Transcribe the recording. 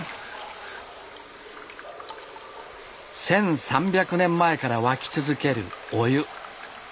１，３００年前から湧き続けるお湯。